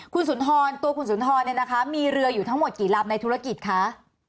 คุณฑรตัวคุณธรณเนี้ยนะคะมีเรืออยู่ทั้งหมดกี่รามในธุรกิจค่ะ